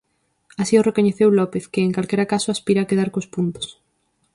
Así o recoñeceu López que, en calquera caso, aspira a quedar cos puntos.